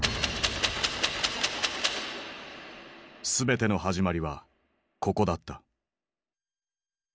全ての始まりはここだった。